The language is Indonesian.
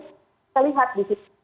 saya lihat di situ